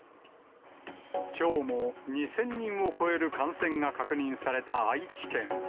きょうも２０００人を超える感染が確認された愛知県。